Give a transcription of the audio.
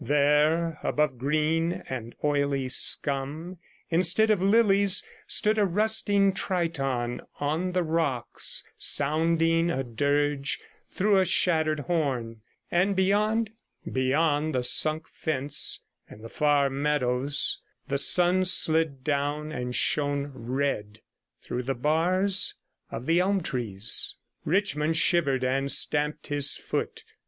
There, above green and oily scum instead of lilies, stood a rusting Triton on the rocks, sounding a dirge through a shattered horn; and beyond, beyond the sunk fence and the far meadows, the sun slid down and shone red through the bars of the elm trees. Richmond shivered and stamped his foot.